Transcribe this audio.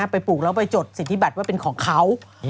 ปลูกแล้วไปจดสิทธิบัตรว่าเป็นของเขา